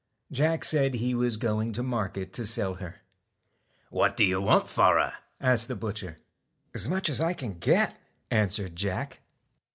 Jack said he was going to market to sell her. 'What do you want for her?' asked the butcher. 'As much as I can get,' answered Jack.